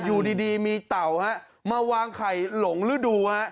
อยู่ดีมีเต่าฮะมาวางไข่หลงฤดูฮะ